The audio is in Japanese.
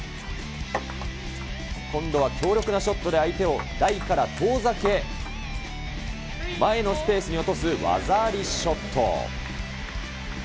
今度は強力なショットで相手を台から遠ざけ、前のスペースに落とす技ありショット。